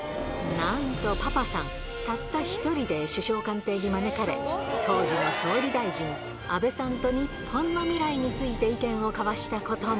なんとパパさん、たった一人で首相官邸に招かれ、当時の総理大臣、安倍さんと日本の未来について意見を交わしたことも。